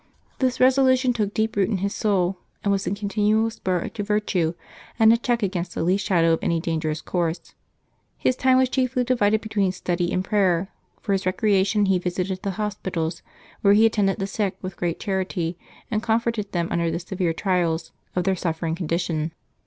This resolution took deep root in his soul, and was a continual spur to virtue, and a check against the least shadow of any dangerous course. His tim.e was chiefly divided between study and prayer ; for his recreation he visited the hospitals, where he attended the sick with great charity, and comforted them under the severe trials of their suffering condition.